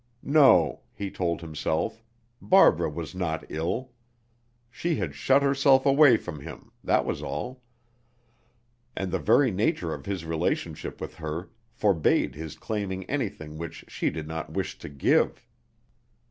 No, he told himself, Barbara was not ill. She had shut herself away from him, that was all; and the very nature of his relationship with her forbade his claiming anything which she did not wish to give.